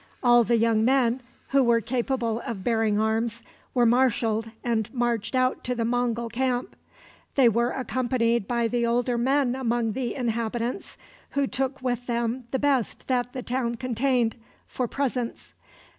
All the young men who were capable of bearing arms were marshaled and marched out to the Mongul camp. They were accompanied by the older men among the inhabitants, who took with them the best that the town contained, for presents.